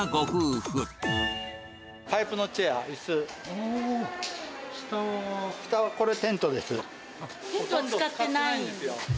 ほとんど使ってないんですよ。